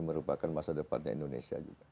merupakan masa depannya indonesia